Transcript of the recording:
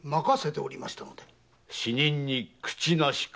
「死人に口なし」か。